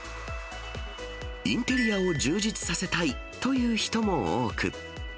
インテリアを充実させたいという人も多く。